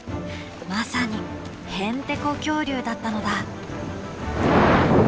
まさにヘンテコ恐竜だったのだ。